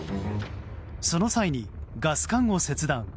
その際に、ガス管を切断。